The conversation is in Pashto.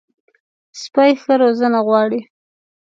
سپي ښه روزنه غواړي.